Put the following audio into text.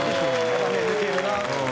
やっぱね抜けるなあ。